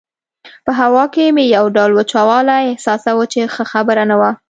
په هوا کې مې یو ډول وچوالی احساساوه چې ښه خبره نه وه.